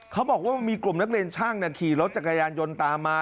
เขาบอกว่ามีกลุ่มนักเรียนช่างขี่รถจักรยานยนต์ตามมา